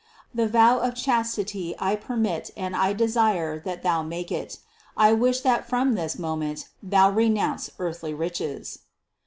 The vow of chastity I permit and I desire that thou make it; I wish that from this moment thou re nounce earthly riches.